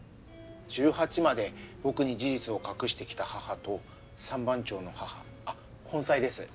１８まで僕に事実を隠してきた母と三番町の母あっ本妻です。